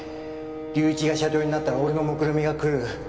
隆一が社長になったら俺のもくろみが狂う。